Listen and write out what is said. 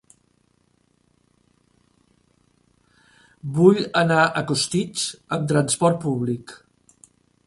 Vull anar a Costitx amb transport públic.